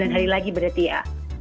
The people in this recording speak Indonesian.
sembilan hari lagi berarti ya